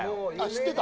知ってた？